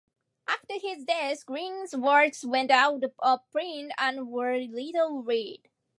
After his death Green's works went out of print and were little-read.